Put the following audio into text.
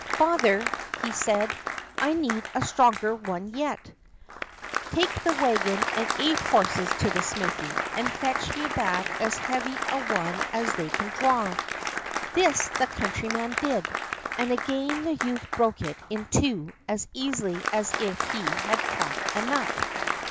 "Father," he said, "I need a stronger one yet. Take the wagon and eight horses to the smithy, and fetch me back as heavy a one as they can draw." This the countryman did, and again the youth broke it in two as easily as if he had cracked a nut.